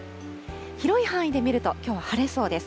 広い範囲で見るときょうは晴れそうです。